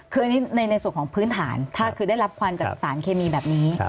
คืออันนี้ในส่วนของพื้นฐานถ้าคือได้รับควันจากสารเคมีแบบนี้